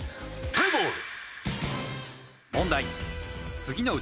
プレーボール！